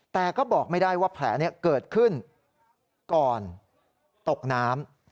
แต่ก็บอกไม่ได้ว่าแผลเกิดขึ้นก่อนตกน้ำ